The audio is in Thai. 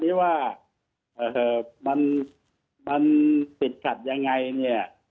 ที่ว่ามันติดขัดยังไงเนี่ย